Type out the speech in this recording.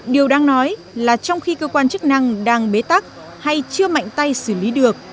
điều đang nói là trong khi cơ quan chức năng đang bế tắc hay chưa mạnh tay xử lý được